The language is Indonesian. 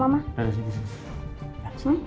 biar aku aja yang beratnya